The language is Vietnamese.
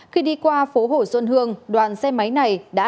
khi đi qua phố hồ xuân hương đoàn xe máy này đã